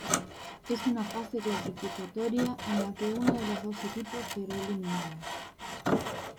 Es una fase clasificatoria en la que uno de los dos equipos será eliminado.